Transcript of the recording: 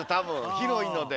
広いので。